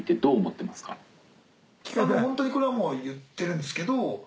「ホントにこれは言ってるんですけど」